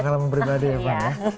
kalau memperibadi ya pak ya